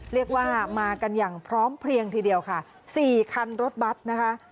เรียกว่ามากันอย่างพร้อมเพลียงทีเดียวค่ะ๔คันรถบัตรนะคะ